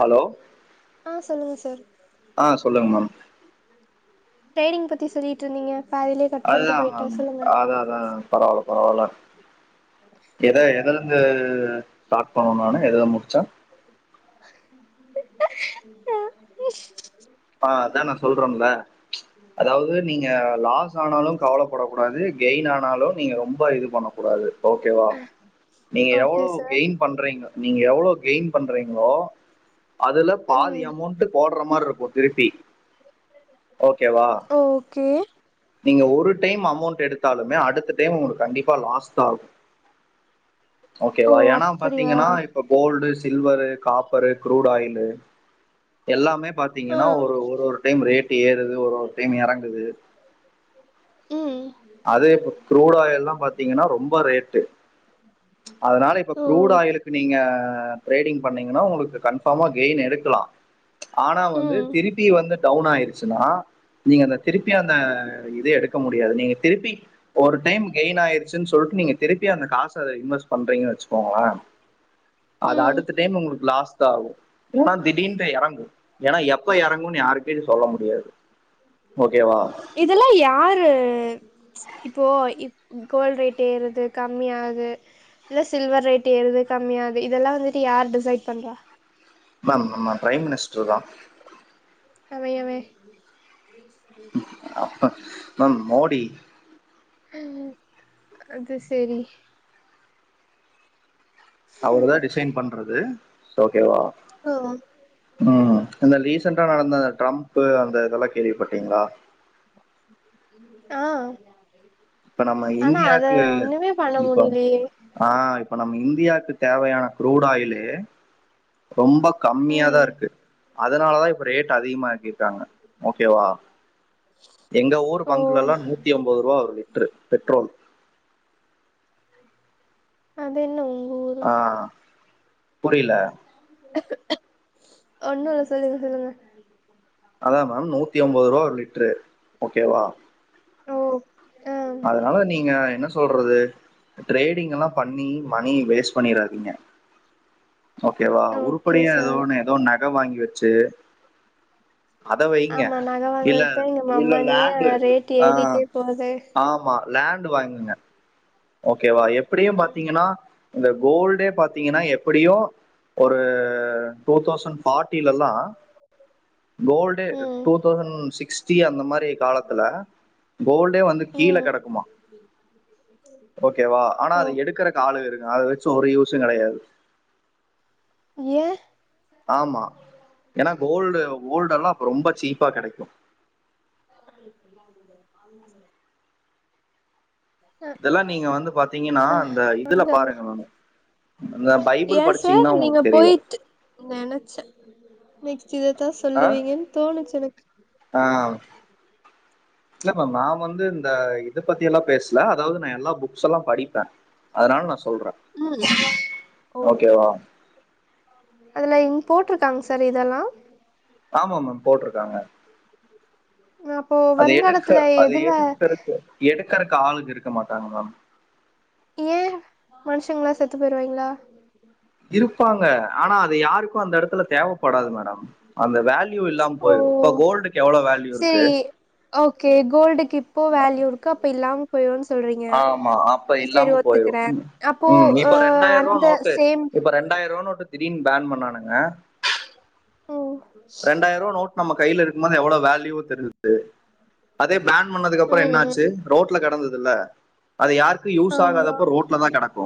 Hello ஆ சொல்லுங்க sir ஆ சொல்லுங்க மேம் டிரேடிங் பத்தி சொல்லிட்ருந்தீங்க அதுதான் அத அதான் அதான் பரவால பரவால எத எதுலந்து [unintelligible] ஸ்டார்ட் பண்ணணு நானு எதுல முடிச்ச ஹ [unintelligible] ஆ அதா நா சொல்றன்ல அதாவது நீங்க லாஸ் ஆனாலு கவலப்படக்கூடாது கெயின் ஆனாலு நீங்க ரொம்ப இது பண்ணக்கூடாது ஓகேவா நீங்க ஓகே எவ்ளவு சார் கெயின் பண்றிங்க நீங்க எவ்ளோ கெயின் பண்றீங்களோ அதுல பாதி ம் அமௌண்ட்டு போடுற மாரி இருக் திருப்பி ஓகேவா ஓகே நீங்க ஒரு டைம் அமௌண்ட் எடுத்தாலுமே அடுத்த டைம் உங்களுக்கு கண்டிப்பா லாஸ் தான் ஆகும் ஓ ஓகேவா ஏனா அப்படியா பாத்திங்கன்னா இப்ப gold silver copper crude oil எல்லாமே ஆ பாத்திங்கனா ஒரு ஒரு ஒரு டைம் ரேட் ஏறுது ஒரு ஒரு டைம் எறங்குது உம் அதே இப்ப குரூட் ஆயில்லா பாத்தீங்ன்னா ரொம்ப ரேட்டு அதனால இப்ப ஓ குரூட் ஆயிலுக்கு நீங்க அ ட்ரேடிங் பண்ணிங்கனா உங்களுக்கு கன்ஃபாமா கெயின் எடுக்கலா ஆனா வந்து ம் திருப்பி வந்து டவுன் ஆயிருச்சுன்னா நீங்க அந்த திருப்பி அந்த இது எடுக்க முடியாது நீங்க திருப்பி ஒரு டைம் கெயின் ஆயிருச்சுன் சொல்ட்டு நீங்க திருப்பி அந்த காச இன்வெஸ்ட் பண்றிங்கன் வெச்சுக்கோங்களே அது ம் அடுத்த டைம் உங்களுக்கு லாஸ் தா ஆவு ஏன்னா திடீன்ட்டு எறங்கு ஏன்னா எப்ப எறங்குன்னு யாருக்கு எது சொல்ல முடியாது ஓகேவா இதெல்லா யாரு இப்போ கோல்டு ரேட் ஏறுது கம்மியாது இல்ல சில்வர் ரேட் ஏறுது கம்மியாது இதெல்லா வந்துட்டு யார் டிசைட் பண்றா மேம் நம்ம பிரைம் மினிஸ் டர்தா அவே அவே மேம் மோடி அது சேரி அவரு தா டிசைன் பண் ணது ஓகேவா ஓ ம் இந்த லீசன்டா நடந்த ட்ரம்பு அந்த இதெல்லா கேள்விப்பட்டீங்ளா ஆ இப்ப நம்ம ஆனா அத இந்தியாக்கு ஒண்ணுமே பண்ண இப்போ முடியலையே ஆ இப்ப நம்ம இந்தியாக்கு தேவயான க்ரூடு ஆயிலு ரொம்ப கம்மியா ம் தா இருக்கு அதனால தா இப்ப ரேட் அதிகமா ஆக்கிர்காங்க ஓகேவா எங்க ஊர் ஓ பங்குல லா நூத்தி ஒம்பது ரூபா வருது பெட்ரோல் அது என்னது ஆ புரியில ஒண்ணு இல்ல சொல்லுங்க சொல்லுங்க அதா மேம் நூத்தி ஒம்பது ரூபா ஒரு லிட்ரு ஓகேவா ஓ ஆ அதனால நீங்க என்ன சொல்றது ட்ரேடிங் லா பண்ணி மணி வேஸ்ட் பண்ணிறாதீங்க ஓகேவா ஓகே உருப்படியா ஏதோ சார் ஒன்னு ஏதோ ஒன்னு நக வாங்கி வச்சு அத வைங்க ஆமா நக இல்ல வாங்கறதுதா எங்க இல்ல மொமானியே லேண்டு ரேட்டு் ஆ ஏறிட்டே போது ஆமா லேண்டு் வாங்குங்க ஓகேவா எப் ப்டியு பாத்தீங்கன்னா இந்த கோல்டே பாத்தீங்கன்னா எப்படியு ஒரு டூ தௌசண்ட் ஃபார்ட்டிலல்லா கோல்டு ம் டூ தௌசண்ட் சிக்ஸ் டி அந்த மாரி காலத்துல கோல்டே வந்து கீழ ம் கெடக்குமா வா ஆனா ஓ அது எடுக்கறக்கு ஆளு இருக்கு அத வெச்சு ஒரு யூசுங் கெடயாது அ ஆமா ஏன்னா கோல்டு கோல்டு எல்லாம் அப்ப ரொம்ப சீப்பா கிடைக்கும் இதெல்லா நீங்க வந்து பாத்தீங்கன்னா அந்த இதுல பாருங்க மேம் இந்த பைபிள் ஏன் சார் படிச்சீங்கன்னா நீங்க உங்களுக்கு தெரியு நெக்ஸ் இததான் சொல்லுவீங்கன்னு தோணுச்சு எனக்கு ஆ. இல்ல மேம் நா வந்து இந்த இது பத்தி எல்லா பேசல அதாவது நா எல்லா புக்ஸ் எல்லா படிப்பே அதனால நா சொ சொல்றேன் ம் ஓ ஓகேவா போட்ருக்காங்க சார் இதெல்லா ஆமா மேம் போட்ருக்காங்க அப்போ அத எடுக்க வருங்காலத்துல அது எதுல எடுக்கரக்கு எடுக் கறக்கு ஆளுங்க இருக்க மாட்டாங்க மேம் ஏ மனுஷங்களா செத்து போயிருவாய்ங்களா இருப்பாங்க ஆனா அது யாரு கு அந்த எடத்துல தேவப்படாது மேடம் அந்த வேல்யூ இல்லாம ஓ போயிடும் இப்ப கோல்டுக்கு எவ்வளவு வேல்யூ இருக்கு சேரி ஓகே கோல்டுக்கு இப்போ வேல்யூ இருக்கு அப்ப இல்லாம் போன்ஸ் ஆமா அப்ப இல்லாம போயிரு அப்போ ம் அ இப்ப ரெண்டாயிரவா அந்த நோட்டு சேம் இப்ப ரெண்டாயிரவா நோட்டு திடீர்னு பேன் பண்ணானுங் அ ம் ரெண்டாயிருவா நோட் நம்ம கைல இருக்கும்போது எவ்ளவு வேல்யூ தெரிது அதே பேன் பண்ணதுக்கப்ரொ ம் என்ன ம் ஆச்சு ரோட்ல கெடந்தது இல்லே அது யாருக்கு யூஸ் ஆமா ஆகாதப்போ ரோட்ல தா கெடக்கு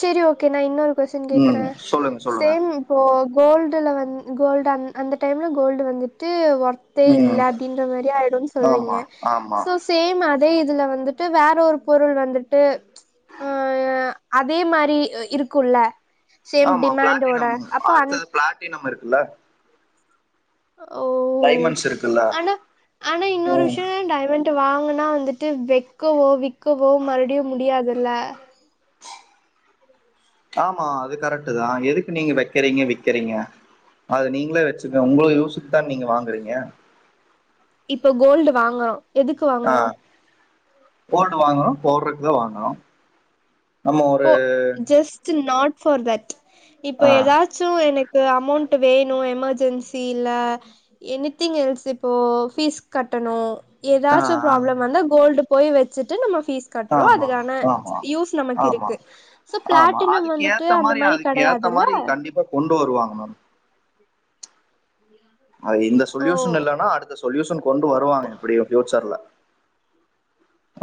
செரி ஓகே நா இன்னொரு கொஸ்டின் ம் கேகறேன் சொல்லுங்க சொல்லுங்க சேம் இப்போ கோல்டுல வந் கோல்டு அ அந்த டைம்ல கோல்டு வந்துட்டு வோ வொர்தே இல்ல ம் அப்டின்ற மாரி ஆயிடும்னு சொல்றீங்க ஆமா ஆமா சோ சேம் இதே இதுல வந்துட்டு வேற ஒரு பொருள் வந்துட்டு அஹ் அதே மாதிரி இருக்கும்ல ஆமா பிளாட்டினம் அந் அடுத்தது பிளாட்டினம் இருக்கு இல்ல ஓ ஆனா ஆனா இன்னொரு ம் விஷயம் டைமண்டு வாங் ங்கனா வந்துட்டு வெக்கவோ விக்கவோ மறுபடியு முடியாதுல்ல ஆமா அது கரெக்டு தா எதுக்கு நீங்க வக்கறீங்க விக்கிறீங்க அது நீங்களே வச்சுங்கங்க உங்களுது யூசுக்கு தா நீங்க வாங்குறீங்க இப்ப கோல்டு வாங்கரோ எதுக்கு வாங்கறோம் கோல்டு வாங்கரோம் போடறக்குதா வாங்கரோம் இப்போ ஜெஸ்ட் நாட் ஃபோர் தட் இப்ப ஆ எதாச்சு எனக் கு அமௌண்ட் வேணு எமர்ஜென்சி இல்ல எனித்திங் எல்ஸ் இப்போ பீஸ் கட் ஆ எதாச்சு ஆ, ப்ராப்ளம் வந்தா கோல்டு போய் வச்சுட்டு நம்ம பீஸ் கட்றோ ஆமா அதுக்கான ஆமா யூஸ் நமக்கு இருக் ஆமா ஆமா அதுக்கு ஏத்த அந்த மாரி அதுக்கு ஏத்த கெடையாதுல்ல மாரி கண்டிப்பா கொண்டு வருவாங்க மேம் அ இந்த ஓ சொல்யூஷன் இல்லன்னா அடுத் த்த சொல்யூஷன் கொண்டு வருவாங்க எப்புடியு ப்ஃயூச்சர்ல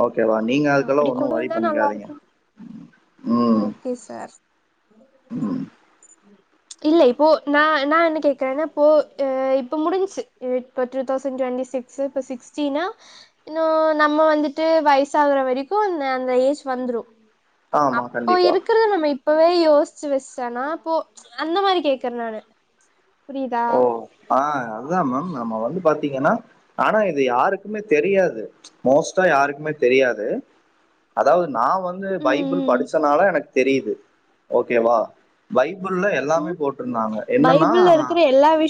ஓகேவா நீங்க அதுக்கெல்லா அப்டி ஒன்னு கொண்டு ஒரி வந்தா நல்லா பண்ணிக்காதீங்க இருக்கு உம் ஓகே சார் உம் இல்ல இப்போ நா நா என்ன கேக்குறேன்னா இப்போ இப்ப முடிஞ்ச்சுச்சு இப்ப டூ தசண்ட் டுவெண்டி சிக்ஸ் இப்ப சிக்ஸ்டீனா இன்னு நம்ம வந்துட்டு வயிஸ் சாகுற வரைக்கு அந்த அந்த ஏஜ் வந்துரு ஆமா அப்போ கண்டிப்பா இருக்குறது நம்ம இப்பவே யோஸ் [unintelligible] ஆனா அப்போ அந்த மாரி கேக்குறே நானு புரியுதா ஓ ஆ அதுதா மேம் நம்ம வந்து பாத்தீங்கன்னா ஆனா இது யாருக்குமே தெரியாது மோஸ்டா யாருக்குமே தெரியாது அதாவது நா வந்து பைபிள் ம் படிச்சனால எனக்கு தெரியுது ஓகேவா பைபுள்ல எல்லாமே ம் போட்டு இருந்தாங்க என்னன்னா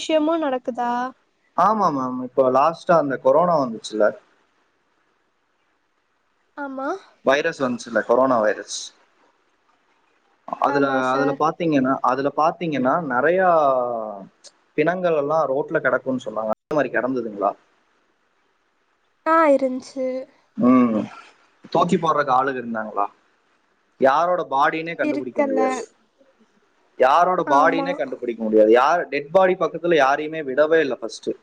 ஷமும் நடக்குதா ஆமா மேம் இப்ப லாஸ்ட்டா அந்த கொரோனா வந்துச்சுல ஆமா சுல்ல கொரோனா வைரஸ் அதுல ஆமா அதுல சார் பாத்தீங்கெனா அதுல பாத்தீங்கன்னா நெறயா பிணங்கள் எல்லாம் ரோட்ல கெடக்குன்னு சொன்னாங்க அந்த மாரி கெடந்ததுங்களா அ இருந்துச்சு உம் தூக்கி போடுறக்கு ஆளுங்க இருந்தாங்களா யாரோட ஃபாடினே கண்டுபிடிக்க இருக்கல முடியாது யாரோட ஆமா ஃபாடினே கண்டுபிடிக்க முடியாது யார் டெட் ஃபாடி பக்கத்துல யாருமே விடவே இல்ல ஃபர்ஸ்டு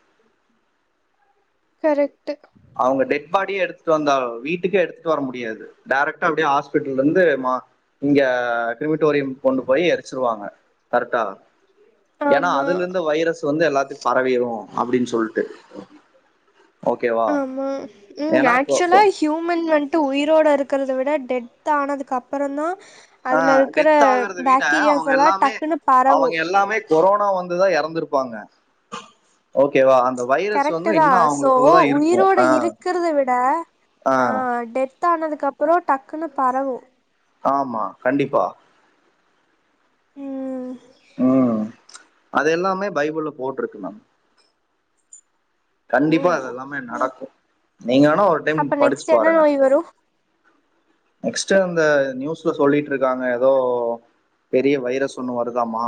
கரெக்ட் அவுங்க டெட் ஃபாடிய எடுத்துட்டு வந்தா வீட் வீட்டுக்கு எடுத்துட்டு வர முடியாது டைரக்டா ஹாஸ்பிடல்ல இருந்து மா இங்க கிரிமிட்டோரியம் கொண்டு போய் எரிச்சிடுவாங்க கரெக்டா ஏனா ஆமா அதுல இருந்து வைரஸ் வந்து எல்லாத்துக்கும் பரவிடும் அப்படினு சொல்லிட்டு ஓகேவா ஆமா ம் ஏன்னா ஆக்சுவலா ஹூமன் வந் உயிரோட இருக்கிறத விட டெத் ஆனதுக்கு அப்புறோ தா அதுல இருக்கிற டெத் ஆகுறத விட அவங்க பாக்டீரியாஸ் எல்லாம் எல்லாமே டக்குன்னு அவங்க பரவும் எல்லாமே கொரோனா வந்துதா இறந்திருப்பாங்க கரெக்ட் தான் சோ அவங்களுக்குள்ளதான் இருக்கும் உயிரோட ஆஹ் இருக்கிறத விட ஆஹ் டெத்த ஆனது அதுக்கப்புறம் டக்குன்னு பரவும் ஆமா கண்டிப்பா உம் ம் அது எல்லாமே பைபிள்ல போட்டிருக்கு மேம் ஓ கண்டிப்பா அதெல்லாமே ம் நடக்கும் நீங்க வேனா ஒரு டைம் அப்ப படிச்சு நெக்ஸ்ட் என்ன பாருங்க நோய் வரு நெக்ஸ்ட் இந்த நியூஸ்ல சொல்லிட்டு இருக்காங்க ஏதோ பெரிய வைரஸ் ஒன்னு வருதாமா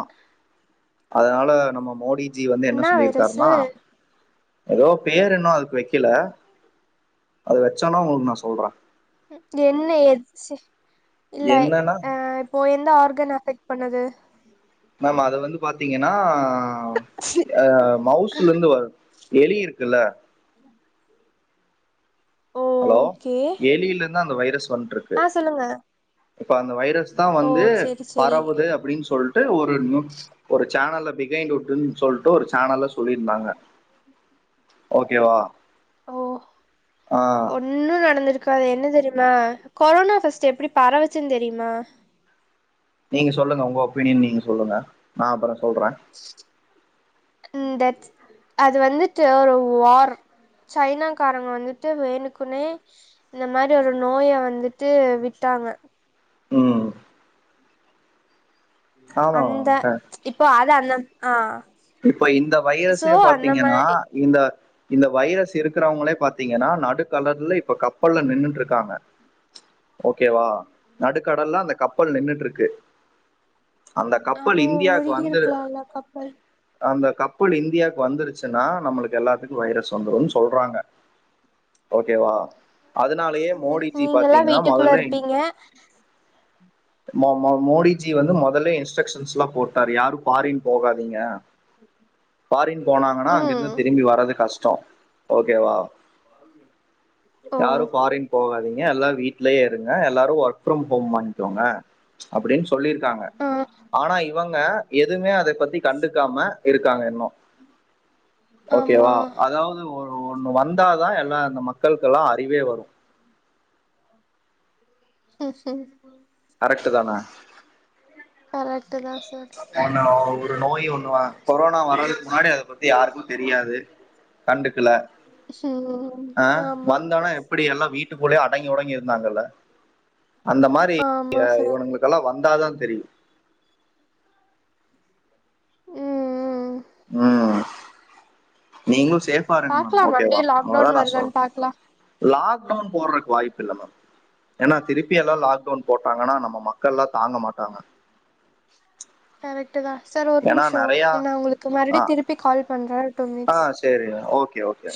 அதனால நம்ம மோடி ஜி வந்து என்ன என்னா வைரஸு சொல்லியிருக்காருனா ஏதோ பேர் இன்னும் அதுக்கு வைக்கல அது வெச்சயின்னே உங்களுக்கு நான் சொல்றன் என்ன எச்சி இல்ல என்னன்னா அ இப்போ எந்த ஆர்கன் அஃபெக்ட் பண்ணுது மேம் அத வந்து பாத்தீங்கன்னா அ மவுசல இருந்து வர எலி இருக்கு குல்ல அலோ ஓகே எலிலிந்தா அந்த வைரஸ் வன்ட்ருக்கு ஆ சொல்லுங்க இப்ப அந்த வைரஸ் தா ஓ வந்து செரி செரி பரவுது அப்டின் சொல் ட்டு ஒ ஃபோர்நூன் ஒரு சேனல்ல பிகைன்டுட்டுன் சொல்ட்டு ஒரு சேனல்ல சொல்லீர்ந்தாங்க ஓகேவா ஓ ஆ ஒன்னு நடந்துருக்காது என்ன தெரி னா கொரோனா ஃபஸ்ட் எப்டி பரவுச்சுன் தெரியுமா நீங்க சொல்லுங்க உங்க ஒப்பீனியன் நீங்க சொல்லுங்க நா அப்பற சொல்ற இந்த அது வந்துட்டு ஒரு வார் சைனாக்காரங்க வந்துட்டு வேணுக்குனே இந்த மாரி ஒரு நோய வந்துட்டு விட்டாங்க ம் ஆமா அந்த இப்போ அது அந்த ஆ இப்போ இந்த சோ வைரஸ்சே அந்த பாத்தீங்கன்னா மாரி இந்த இந்த வைரஸ் இருக்குறவுங்களே பாத்தீங்கன்னா நடுக்கடல்ல இப்ப கப்பல்ல நின்னுட்ருக்காங்க ஓகேவா நடுக்கடல்ல அந்த கப்பல் நின்னுட்ருக்கு அப்போ முழுகீருக்லால்ல கப்பல் அந்த கப்பல் இந்தியாக்கு வந்துருச்சுன்னா நம்மளுக்கு எல்லாத்துக்கு வைரஸ் வந்துருன்னு சொல்றாங்க ஓகேவா அதுனாலயே சேரி மோடிஜி நீங்கல்லா பாத்தீங்ன்னா வீட்டுக்குள்ள மொதல்லே இருப்பீங்க மோ மோ மோடிஜி வந்து மொதல்லே இன்ஸ்ட்ரக்ஷன்ஸ்லா போட்டாரு யாரு ஃபாரின் போகாதீங்க ஃபாரின் போனாங்கனா அங்கிருந்து ம் திரும்பி வர்றது கஷ் டோ ஓகே வா ஓ யாரு ஃபாரின் போகாதீங்க எல்லா வீ ட்லே இருங்க எல்லாரு ஒர்க் ஃப்ரம் ஹோம் வாங்கிகோங்க அப்டின் சொல்லீருக்காங்க ஆ ஆனா இவங்க எதுமே அத பத்தி கண்டுக்காம இருக்காங்க இன்னு ஆமா ஓகேவா அதாவது ஒரு ஒண்ணு வந்தாதா எல்லா அந்த மக் க்கள்க்கல்லா அறிவே வரு ஹம் ஹம் கரெக்ட்டு தான கரெக்ட்டு தா சார் ஒண்ண ஒரு நோய் ஒண்ணு வ கொரோனா வறதுக் முன்னாடி அத பத்தி யாருக்மே தெர் ரியாது கண்டுக்கல ம் அ ஆமா வந்தோனே எப்புடி எல்லா வீட் ட்டுக்குல்யே அடங்கி ஒடங்கி இருந்தாங்கல்ல அந்த மாரி ஆமா எ சார் இவனுங்களுக்கல்லா வந்தாதா சரி உம் உம் ம் நீங்களும் சேஃபா இருங்க மேம் பாக்கலாம் ஓகேவா மறுபடியும் அதா லாக்டவுன் நா சொல்ற வருதான்னு பாக்கலாம் ல்டவுன் போடுறதுக்கு வாய்ப்பு இல்ல மேம் ஏன்னா திருப்பி எல்லா லாக்டவுன் போட்டாங்கன்னா நம்ம மக்கள் எல்லா தாங்க மாட்டாங்க கரெக்ட் சார் ஒரு ஏன்னா நிமிஷம் நிறையா நா உங்களுக்கு ம ஆ திருப்பி கால் பண்றே ஆ சரி ஓகே ஓகே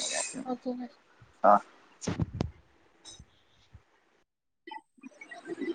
ஆ